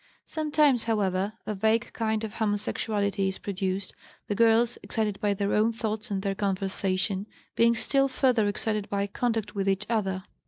Sometimes, however, a vague kind of homosexuality is produced, the girls, excited by their own thoughts and their conversation, being still further excited by contact with each other.